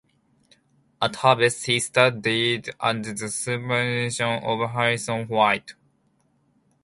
At Harvard he studied under the supervision of Harrison White.